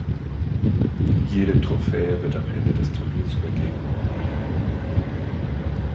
Jede Trophäe wird am Ende des Turniers übergeben.